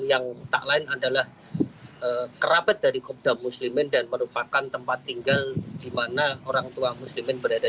yang tak lain adalah kerabat dari kopda muslimin dan merupakan tempat tinggal di mana orang tua muslimin berada